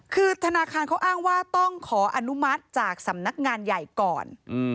คือธนาคารเขาอ้างว่าต้องขออนุมัติจากสำนักงานใหญ่ก่อน